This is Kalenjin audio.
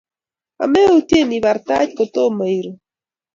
Ameutiee ibar tait kotomo iruu